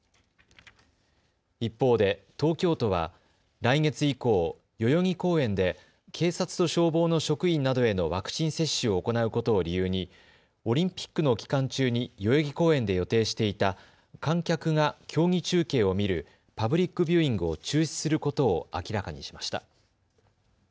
一方で東京都は来月以降、代々木公園で警察と消防の職員などへのワクチン接種を行うことを理由にオリンピックの期間中に代々木公園で予定していた観客が競技中継を見るパブリックビューイングを中止することを明らかにしました。